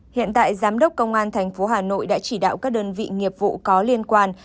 hiện tại giám đốc công an tp hà nội đã chỉ đạo các đơn vị nghiệp vụ có liên quan